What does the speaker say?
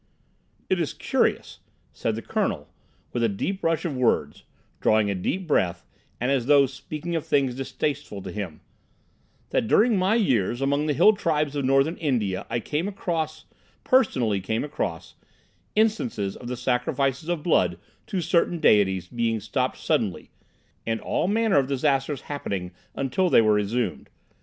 "It is curious," said the Colonel, with a sudden rush of words, drawing a deep breath, and as though speaking of things distasteful to him, "that during my years among the Hill Tribes of Northern India I came across—personally came across—instances of the sacrifices of blood to certain deities being stopped suddenly, and all manner of disasters happening until they were resumed.